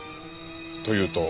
というと？